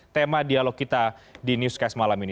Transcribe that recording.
tema dialog kita di newscast malam ini